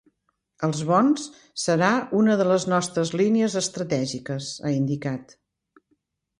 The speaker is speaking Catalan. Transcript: “Els bons serà una de les nostres línies estratègiques”, ha indicat.